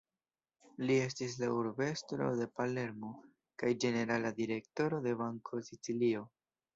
Li estis la Urbestro de Palermo kaj ĝenerala Direktoro de Banko de Sicilio.